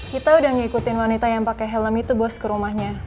kita udah ngikutin wanita yang pakai helm itu bos ke rumahnya